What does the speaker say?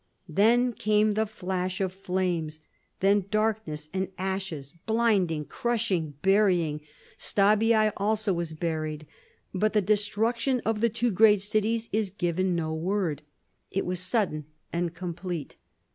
Then came the flash of flames; then darkness and ashes, blinding, crushing, burying. Stabiae also was buried. But the destruction of the two great cities is given no word; it was sudden and complete.